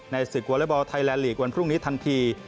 ศึกวอเล็กบอลไทยแลนดลีกวันพรุ่งนี้ทันที